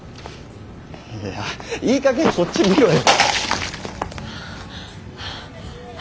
いやいいかげんこっち見ろよ！